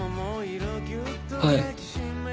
はい。